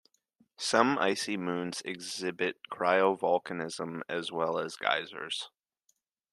Some icy moons exhibit cryovolcanism, as well as geysers.